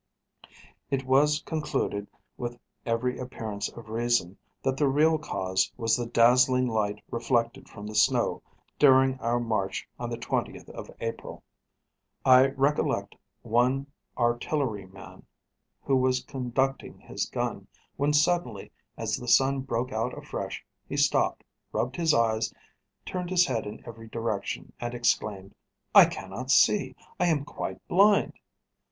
It was concluded, with every appearance of reason, that the real cause was the dazzling light reflected from the snow during our march on the 20th of April. I recollect one artilleryman, who was conducting his gun, when suddenly, as the sun broke out afresh, he stopped, rubbed his eyes, turned his head in every direction, and exclaimed: 'I cannot see; I am quite blind!'